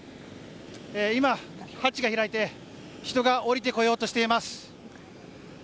今、ハッチが開いて人が降りてこようとしています。